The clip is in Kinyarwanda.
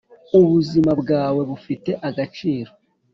Ubuzima bwawe bufite agaciro